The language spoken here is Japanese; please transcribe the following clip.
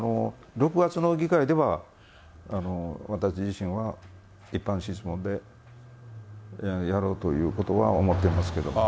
６月の議会では、私自身は一般質問でやろうということは思っていますけれども。